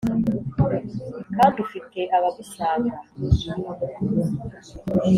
kandi ufite abagusanga